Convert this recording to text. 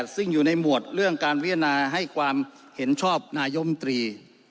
ซึ่งอยู่ในหมวดเรื่องการพิจารณาให้ความเห็นชอบนายมตรี